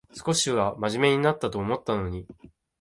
少しはまじめになったと思ったのに